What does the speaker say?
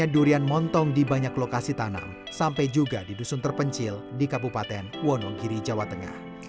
durian montong di banyak lokasi tanam sampai juga di dusun terpencil di kabupaten wonogiri jawa tengah